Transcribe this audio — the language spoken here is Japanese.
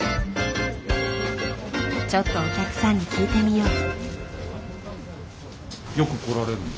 ちょっとお客さんに聞いてみよう。